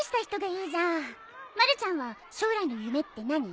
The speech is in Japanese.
まるちゃんは将来の夢って何？